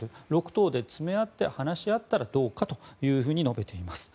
６党で詰め合って話し合ったらどうかと述べています。